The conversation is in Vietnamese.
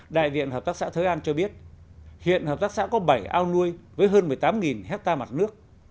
đại diện hợp tác xã thới an cho biết hiện hợp tác xã có bảy ao nuôi với hơn một mươi tám hectare mặt nước